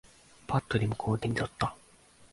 ぱっとリモコンを手に取った。